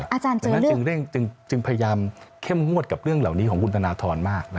อาจารย์เจอเรื่องจึงพยายามเข้มโทษกับเรื่องเหล่านี้ของคุณทานาธรมาก